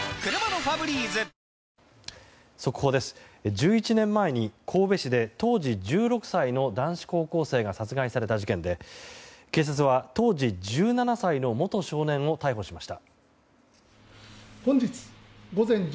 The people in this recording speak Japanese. １１年前に神戸市で当時１６歳の男子高校生が殺害された事件で警察は、当時１７歳の元少年を逮捕しました。